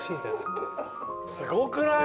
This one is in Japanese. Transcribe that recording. すごくない？